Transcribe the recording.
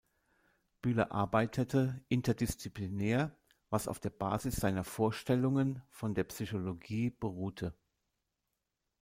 Bühler arbeitete interdisziplinär, was auf der Basis seiner Vorstellungen von der Psychologie beruhte.